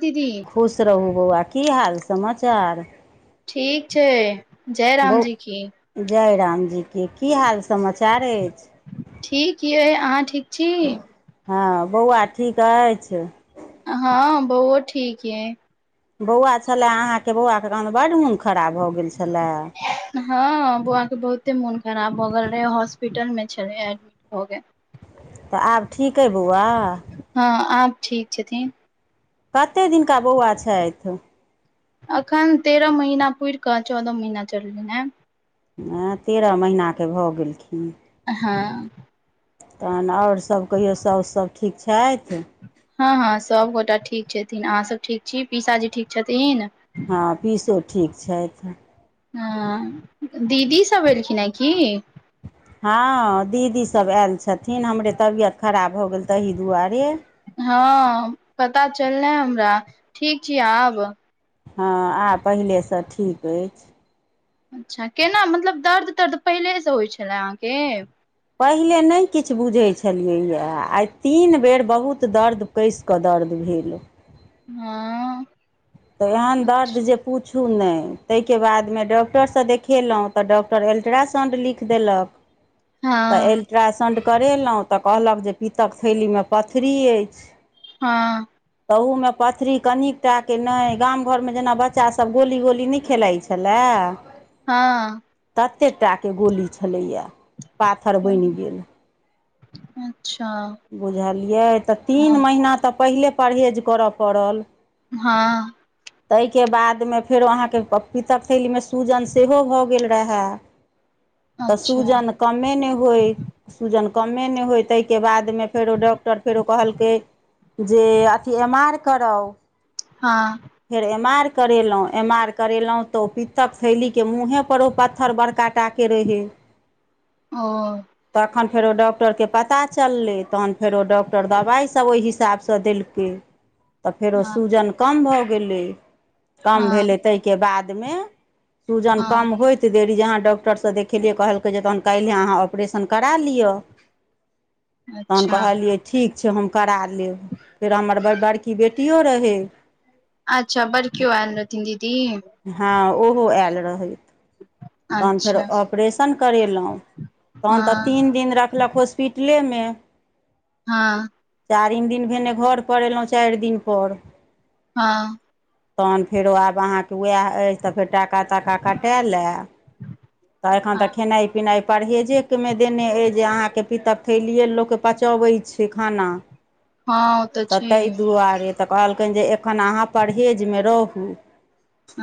जी, जी। खुश रहू बौआ की हाल समाचार। ठीक छै, जय बौ रामजी की। जय रामजी की हाल समाचार अछि। ठीक यै अहाँ ठीक छी। हँ, बौआ ठीक अछि। हँ, बौओ ठीक है। बौआ छलए अहाँके बौआके कहाँदन बड्ड मोन खराब भऽ गेल छलए हँ बौआके बहुते मोन खराब भऽ गेल रहै हॉस्पिटल मे छलै एडमिट भऽ के तऽ आब ठीक अइ बौआ हँ आब ठीक छथिन कते दिनका बौआ छथि अखन तेरह महीना पूुर कऽ चौदह महिना चललिन हेँ आँय तेरह महिनाके भऽ गेलखिन हँ तहन ओर सब कहिौ साउस सब ठीक छथि हँ हँ सभगोटा ठीक छथिन अहाँ सब ठीक छी पीसाजी ठीक छथिन हँ पीसो ठीक छथि हँ दीदी सब एलखिन हेँ की हँ दीदी सब आयल छथिन हमरे तबियत खराब भऽ गेल ताहि दुआरे हँ पता चललय हमरा ठीक छी आब हँ आब पहिलेसँ ठीक अछि अच्छा केना मतलब दर्द तर्द पहिलेसँ होइ छलए अहाँके पहिले नहि किछ बुझैत छलियैए आइ तीन बेर बहुत दर्द कसिकऽ दर्द भेल हँ तऽ एहन दर्द जे पूछू नहि ताहिके बादमे डॉक्टरसँ देखेलहुँ तऽ डॉक्टर अल्ट्रासाउण्ड लिख देलक तऽ हँ अल्ट्रासाउण्ड करेलहुँ तऽ कहलक जे पीतक थैलीमे पथरी अछि हँ तहू मे पथरी कनिकटा के नहि गाम घरमे जेना बच्चा सब गोली गोली नहि खेलाइ छै छलेलए हँ ततेकटाके गोली छलैया पाथर बनि गेल अच्छा बुझलियै तऽ तीन हँ महिना तऽ पहिले परहेज करय पड़ल हँ ताहिके बादमे फेरो अहाँके पीतकथैलीमे सूजन सेहो भऽ गेल रहए तऽ अच्छा सूजन कमे नहि होय सूजन कमे नहि होय ताहिके बाद तै मे फेरो डॉक्टर फेरो कहलकै जे अथी एम आर कराउ हँ फेर एम आर करेलहुँ एम आर करेलहुँ तऽ ओ पितत्तक थैलीके मुँहेपर ओ पत्थर बड़का टा के रहे ओ तखन फेरो डॉक्टरके पता चललै तहन फेरो डॉक्टर दबाइसभ ओहि हिसाबसँ देलकै [inaudible] तऽ फेरो हँ सूजन कम भऽ गेलै कम हँ भेलै ताहिके बादमे सूजन हँ कम होइत देरी जे अहाँ डॉक्टरसँ देखेलियै कहलकै जे तहन काल्हि अहाँ ऑपरेशन करा लिअ तहन अच्छा कहलियै ठीक छै हम करा लेब फेर हमर बड़की बेटियो रहै अच्छा बड़ीकियो आइल रहथिन दीदी हँ ओहो आयल रहै तहन फेर अच्छा ऑपरेशन करेलहुँ तहन तऽ हँ तीन दिन रखलक हॉस्पिटल मे हँ चारिम दिन भेने घरपर एयलहुँ चारि दिनपर हँ तहन फेरो आब अहाँके उएह अछि तऽ फेर टाका ताका कटेल या। तऽ एखन हँ तऽ खेनाइ पिनाइ परहेजेमे देने अइ जे अहाँके पितब थैलीए लोक पचबैत छैय खाना। हँ ओ तऽ छैहे ताहि दुआरे तऽ कहलकैन जे एखन अहाँ परहेजमे रहू।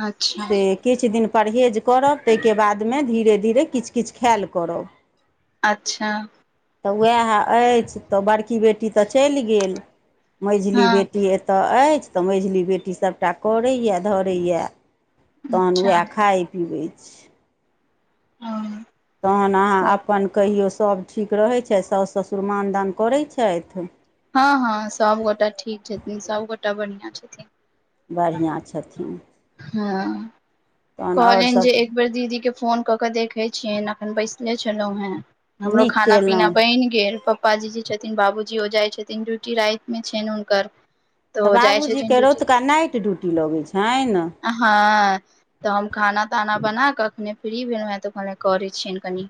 अच्छा से किछु दिन परहेज करब ताहिके बादमे धीरे धीरे किछु किछु खायल करब। अच्छा तऽ वैह अछि तऽ बड़की बेटी तऽ चलि गेल। मैझली हँ बेटी एत अछि तऽ मैझली बेटी सभटा करैया धरैया। तहन अच्छा वैह खाइ पिबैत छी। ओ तहन अहाँ अपन कहियौ सभ ठीक रहै छथि साउासु ससुर मानदान करै छथि? हँ हँ सबगोटा ठीक छथिन सबगोटा बढ़ियां छथिन। बढ़िआँ छथिन। हँ तहन आओर कहलनि जे सभ एक बेर दीदी के फोन कऽ के देखे छियैनि अखन बैसले छलहुँं हेँ। हमरो नीक खाना पीना केलहुँ बनि गेल प पापाजी जी छथिन बाबूजी ओ जाइ छथिन ड्यूटी राति मे छनि हुनकर। तऽ ओ जाइ छथिन बाबूजीके ड्यूटी रौतुका नाइट ड्यूटी लगै छनि। हँ तऽ हम खाना ताना बना कऽ अखने फ्री भेलहु हें तऽखने करे छियनि कनि।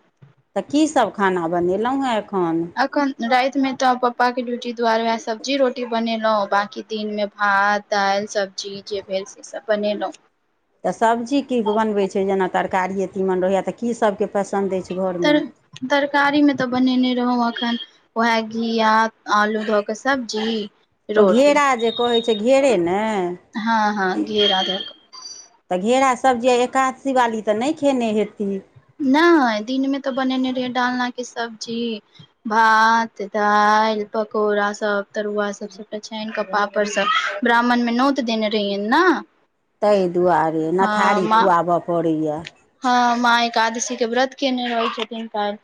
तऽ की सब खाना बनेलहुँ हेँ एखन? अखन रातिमे तऽ पपाके ड्यूटी दुआरे वएह सब्जी रोटी बनेलहुँ बाँकी दिनमे भात दालि सब्जी जे भेल से सब बनेलहुँ। तऽ सब्जी की बनबै छी जेना तरकारिए तीमन रहैया तऽ की सभके पसन्द अछि तर घरमे? तरकारीमे तऽ बनेने रहौँ एखन वैह घिया आलू ध कऽ सब्जी ओ रोटी घेरा जे कहै छैय घेरे ने? हँ हँ घेरा धऽ तऽ घेरा सब्जी आ एकादशी बाली तऽ नहि खेने हेथी? नहि दिन मे तऽ बनेने रहहि डालना के सब्जी भात दाल पकौड़ा सब तरुआ सब छे छैनके पापड़ सब ब्राह्मणमे नोत देने रहियै ने। ताहि दुआरे हँ नथारी माँ खुआबऽ पड़ैया। हँ माँ एकादशी के व्रत केने रहै छथिन कायल।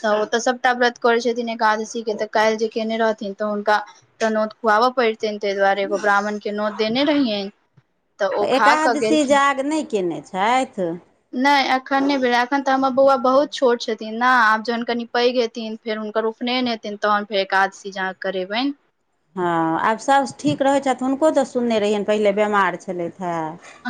तऽ ओ तऽ सभटा व्रत करैत छथिन एकादशीे तऽ काल्हि जे केयने रहथिन तऽ हुनका तऽ नौत खुआब पड़तनि ताहि दुआरे एगो ब्राह्मण के नौत देने रहियैनि। तऽ एकादशी जाग नहि कयने छथि? नहि एखन नहि भेलै एखन तऽ हमर बौआ बहुत छोट छथिन ने आब जखन कनि पैघ हेथिन फेर हुनकर उपनयन हेथिन तहन फेर एकादशी जाके करैबेन। हँ आब सब ठीक रहै छथि हुनको तऽ सुनने रहियनि पहिले बेमार छलैथ हेँ?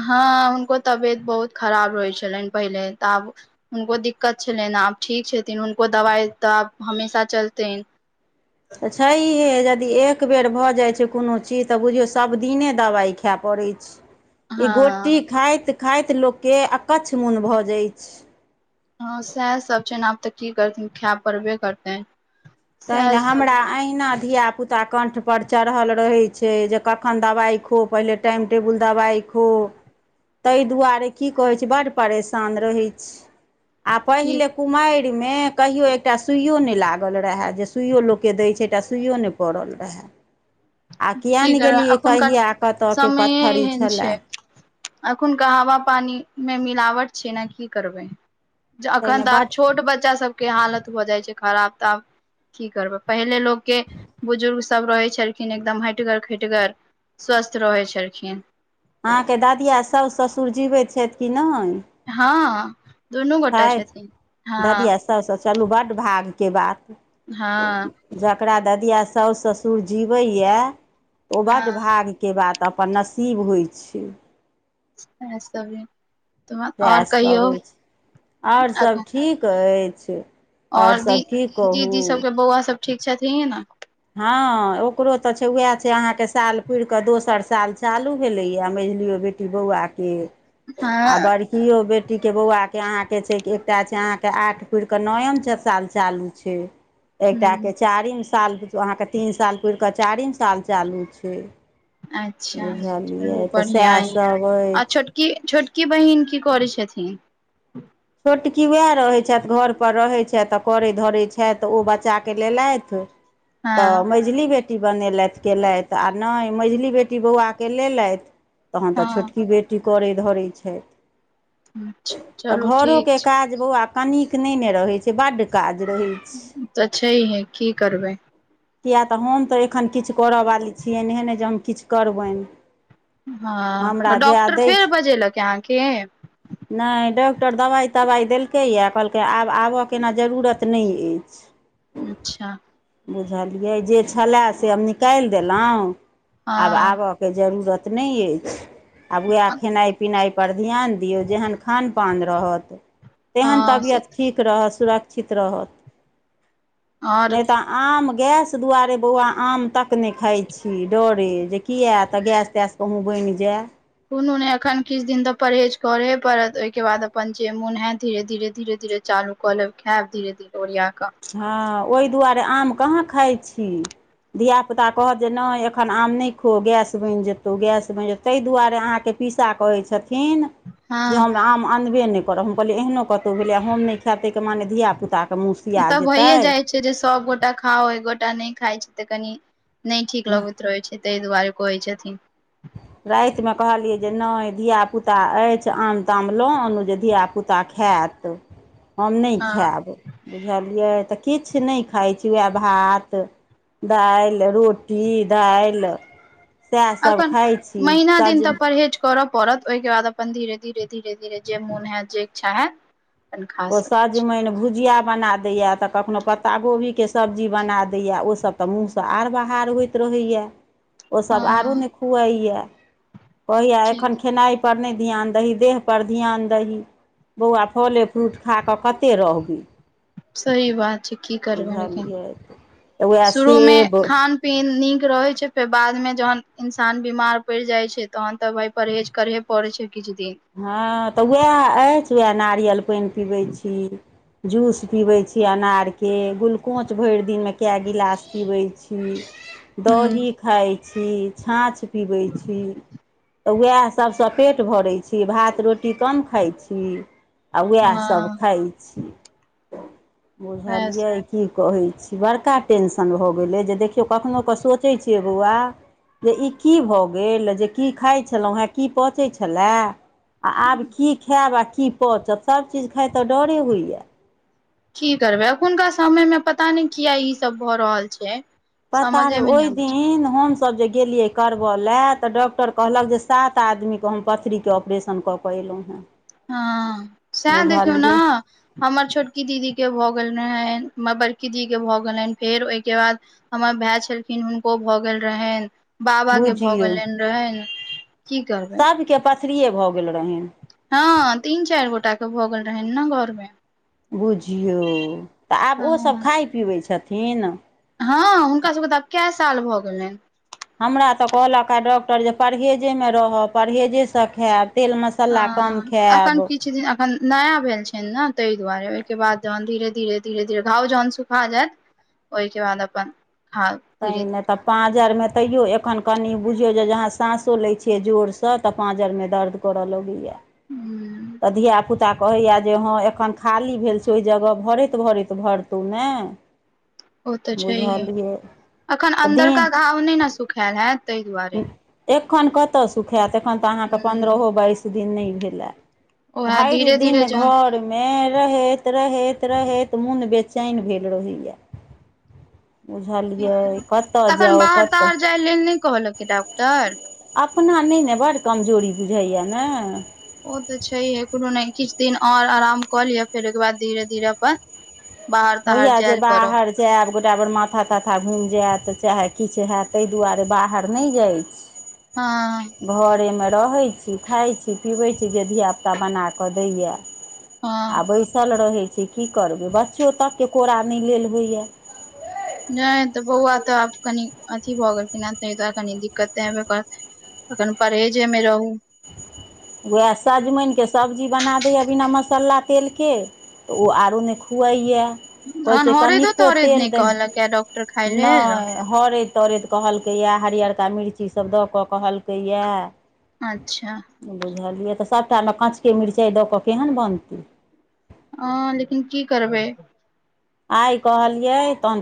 हँ हुनको तबियत बहुत खराब रहै छलनि पहिले तऽ आब हुनको दिक्कत छलनि आब ठीक छथिन हुनको दबाइ तऽ आब हमेशा चलतनि। तऽ छैहे यदि एक बेर भऽ जाइत छैय कोनो चीज तऽ बुझियौ सभ दिने दबाइ खाए पड़ैत छैय। ई हँ गोटी खाइत खाइत लोक के अकछ मन भऽ जाय छैय। ह सैह सब छैन आब तऽ की करथि खाय पड़बे करतेैन। तहिने हमरा अहिना धिया पुता पुता कण्ठपर चढ़ल रहै छैय जे कखन दबाइ खो पहिले टाइम टेबुल दबाइ खो। ताहि दुआरे की कहैत छी बड्ड परेशान रहैत छी। आ की पहिले कुमारि मे कहियो एकटा सुइयो नहि लागल रहे। जे सुइयो लोकके दैत छैय एकटा सुइयओ नहि पड़ल रहे। आ की करबै कियैनगेलियै एखुनका कहिया कतयके पत्थर ई छलए। अखुनका हवा पानीमे मिलावट छै, ने की करबै। अखैन ताहिमे तऽ आब बड्ड छोट बच्चा सभ के हालत हो जाइ छै, खराब तऽ आब की करबै पहिले लोक के बुजुर्ग सभ रहे छै। न एकदम हैटगर खैटगर स्वस्थ रहै छलखिन। अहाँकेँ दादी आ सास ससुर जिबैत छथि कि नहि। हँ। दुनू गोटा छथि छथिन हँ ददिया सभसँ चलू बड्ड भागके बात। हँ। जकरा ददिया सास ससुर जीबैए तऽ ओ बड्ड हँ भाग। के बाद अपन नसीब होइ छै। अ [unintelligible] सएहसभ अछि, आओर सभ ठीक अछि। आओर ओर सभ की दीदी कहू सभके बौआ सभ ठीक छथिन हे ने। हँ, ओकरो तऽ छै, उएह छै अहाँकेँ साल पुइर कऽ दोसर साल चालू भेलैए मैझलियौ बेटी। बौआके आ हँ बड़। केओ बेटीके बौआके अहाँकेँ छै, एकटा छै अहाँकेँ आठ पुइर कऽ नएम छओ साल चालू। छै। एकटाके हूँ चारिम साल अहाँकेँ तीन साल पुइर कऽ चारिम साल चालू छै। अच्छा बुझलियै तऽ सएहसभ अछि। की छोटकी बहिन की करै छथिन। छोटकी वएह रहैत छथि, घर पर रहैत छथि आ करै धरैत छथि ओ बच्चाके लेलथि। तऽ हँ मझली बेटी बनेलथि, केलथि आ नहि मझली बेटी बौआके लेलथि। तखन तऽ हँ छोटकी बेटी करैत धरैत छथि। अच्छा। आ चलू ठीक घरोके छै काज बौआ कनिक नहि ने रहै छै बड्ड काज रहै छै। तऽ छै, है की करबै। किए तऽ हम तऽ एखन किछु करवाली छियै एहने जे हम किछु करबनि। हँ, हमरा जएह डॉक्टर दै फेर छै बजेलक अहाँकेँ नहि डॉ। डॉक्टर दवाइ तवाइ देलकैए कहलकै आब आबयके एना जरूरत नहि अछि। अच्छा। बुझलियै जे छलय से हम निकैल देलहुँ हँ आब के जरूरत नहि अछि, आब वएह खेनाइ पिनाइ पर ध्यान दियौ जेहन खान। पान रहत तेहन हँ से तबियत तऽ ठीक रहत, सुरक्षित रहत। और नहि तऽ। आम गैस दुआरे बौआ, आम तक नइ खाइ छी डरे जे किया तऽ गैस तैस। कहूँ बड़ी जाए। कोनो नै अखन किछु दिन तऽ परहेज करहे पड़त ओइके बाद अपन जे मोन हैत धीरे धीरे धीरे चालू। कलेब खायब धीरे धीरे ओरिया कऽ। हँ, ओइ दुआरे आम कहाँ खाइ छी। धियापुता कहत जे नइ एखन आम नइ खो गैस बनि जेतौ गैस बनि जेतौ। तै दुआरे अहाँकेँ पीसा कहै छथिन। हँ जे हमरा आम अनबे नइ करब हम कहलियै एहनो कतहु भेलैय हम नइ खाएब तइ के माने। धियापुताके मुँह। सिया उत जेतै भइे जाइ छै, जे सभगोटा खाउ एकगोटा नइ खाइ छै तऽ कनि। नहि ठीक लगैत रहै छै त दुवारे कहि छथि। रातिमे कहलियै जे नहि धियापुता अछि आम ताम लऽ अनू जे धियापुता। पुता खायत हम नहि हँ खायब। बुझलियै तऽ किछु नहि खाइत छी उएह भात। दाइल रोटी दाइल सए अखन महिना दिन त परहेज करअ पड़त ओइके बाद अपन धीरे धीरे धीरे धीरे जे मोन हैत जे इच्छा हैत ओ सजमनि भुजिया बना दैए त कखनो पत्ता गोभीके सब्जी बना दैए ओसब त मुहंसँ आर बाहर होइत रहैय ओ सब आरो हँ नय खुआइअ कहैया ठीक एखन खेनाइ पर नइ ध्यान दही देह पर ध्यान दही बौआ फले फ्रूट खाके कते रहबय सही बात छै की करबै लेकिन बुझलियै तऽ उएह शुरू मे सेब खान पीन नीक रहे छै फेर बाद में जहन इंसान बीमार पड़ि जाय छै तहन त भाय परहेज करहे परै छै किछ दिन हँ त उएह अछि उएह नारियल पानि पीबैत छी जूस पिबै छी अनारके गुलकोच भरि दिनमे कए गिलास पीबैत छी हूं ह दही खाइ छी छाँछ पीबै छी त उएह सभसँ पेट भरैत छी भात रोटी कम खाइ छी आ उएहसब हँ खाइ छी वएह बुझलियै की कहै छी बड़का टेंशन भ गेलै जे देखियौ कखनो क सोचै छियै बौआ जे ई की भ गेल जे की खाइ छलहुँ हें की पचै छला आ आब की खायब आ की पचत सब चीज खाइत त डरे होइय की करबै अखुनका समय मे पता नइ किया ई सब भ रहल छै पता नइ समझेमे नहि ओइ अबै छै दिन हम सब गेलियै करब लए त‌डॉक्टर कहलक जे सात आदमीे के हम पथरी के ऑपरेशन क कैलहुँ ह हँ सेह देखियौ न हमर छोटकी दीदीे भऽ गेल रहैन बड़की दीदीे भऽ् गेलनि फेर ओइके बाद हमर भाय छलखिन हुनको भ गेल रहैन बाबा के भऽ बुझियौ गेलनि रहैन की करबै सब के पथरिये भ गेल रहनि हँ तीन चारि गोटा के भगेल रहैन न घर मे बुझियौ त आब ओसब हँ खाइ पिबै छथिन हँ हुनका सबके त आब कै साल भ गेलनि हमरा तकहलक ह डॉक्टर जे परहेजेमे रहब परहेजेसे खायब तेल मस हं एखन किछु दिन एखन नया भेल छनि ने तइ दुआरे ओइके बाद जहन धीरे धीरे धीरे धीरे घाव जहन सुखा जायत ओइके बाद अपन खाउ धीरे तैं नय धीरे त पांजरिमे तैयो एखन कनि बुझियौ जे जहाँ साँसो लै छियै जोरसँ त पाँजरमे दर्द कर लगैयए हू तऽ धिय पुता कहैय जे हँ एखन खाली भेल छै ओ जगह भरैत भरैत भरतहुँ ने ओ त छैहे बुझलियै अखन तऽ अन्दरका दिन घाव नहि ने सुखायल हैत ताहि दुआरे एखन कतय सुखायत एखन त अहाँके ह पन्द्रहो बाइस दिन नहि भेलए उएह भाईर धीरे धीरे दिन जहन घर मे रहैत रहैत रहैत मोन बेचैन भेल रहैया बुझलियै ठीक करबै कतय तखन जाउ बाहर कतय ताहर जाय नहि कहल कि डॉकटर अपना नइ न बड कमजोरी बुझाइए न ओ त छैहे कुनु नइ किछु दिन और आराम क लिए फेर ओइके बाद धीरे धीरे अपन बाहर ताहर जायल करब जएब आब गोटा बेर माथा ताथा घुमि जायत चाहे किछु होयत ताहि दुआरे बाहर नहि जाइ ह। हँ। घरेमे रहैत छी, खाइत छी पीबैत छी जे धियापुता बना कऽ दैय। हँ आ बैसल रहैत छै, की करबै बच्चो तकके कोड़ नहि लेल होइए। नहि तऽ बौआ तऽ आब कनि अथि भऽ गेलखिन ह तो कनि दिक्कते हबे कर। तखन परहेजेमे रहू। उएह सजमनिके सब्जी बना दैए बिना मसाला तेलके। तऽ ओ आरो नहि खुवइए। होइ तहन छै, हरैदो कनिको तरेद तेल नहि दह कहलक डॉक्टर खाय लेल नहि। हरैत तरैत कहलकैया हरअरका मिर्ची सभ दऽ कऽ कहलकैया अच्छा। बुझलियै तऽ सभटामे काँचके मिरचाइ दऽ कऽ केहन बनतै। ह, लेकिन की करबै। आइ कहलियै तन।